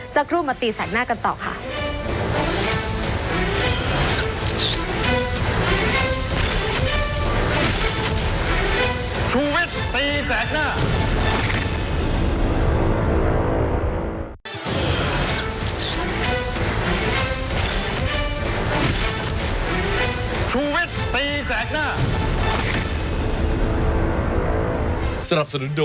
สักครู่มาตีแสกหน้ากันต่อค่ะ